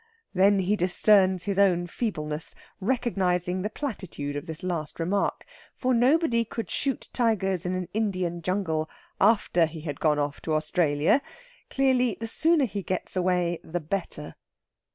Then he discerns his own feebleness, recognising the platitude of this last remark. For nobody could shoot tigers in an Indian jungle after he had gone off to Australia. Clearly the sooner he gets away the better.